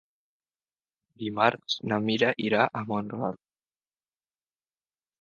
Dimarts na Mira irà a Mont-ral.